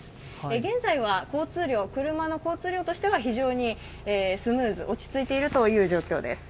現在は車の交通量としては非常にスムーズ、落ち着いているという状況です。